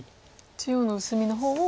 中央の薄みの方を。